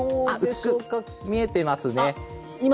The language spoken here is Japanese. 薄く見えていますね。